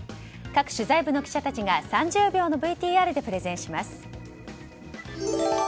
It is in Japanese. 各取材部の記者たちが３０秒のＶＴＲでプレゼンします。